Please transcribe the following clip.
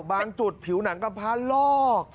บางจุดผิวหนังกำพ้าลอก